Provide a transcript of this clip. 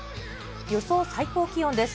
予想最高気温です。